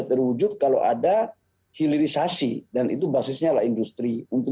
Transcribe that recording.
blank popes purchase hai hanya bisa terwujud kalau ada hilirisasi dan itu basisnya lah industri untuk